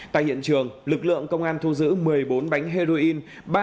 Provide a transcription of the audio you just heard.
tại hiện trường lực lượng công an thu giữ một mươi bốn bánh heroin